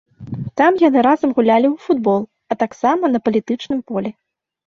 Там яны разам гулялі ў футбол, а таксама на палітычным полі.